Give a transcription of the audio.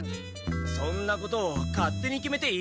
そんなことを勝手に決めていいのか？